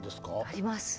あります。